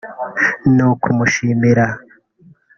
ni ukumushimira